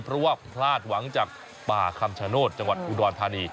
เพราะว่าพลาดหวังจากป่าคำชโนธจังหวัดอุดรธานี